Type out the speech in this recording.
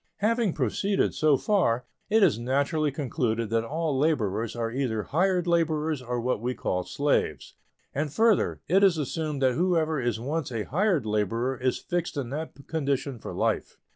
Having proceeded so far, it is naturally concluded that all laborers are either hired laborers or what we call slaves. And further, it is assumed that whoever is once a hired laborer is fixed in that condition for life.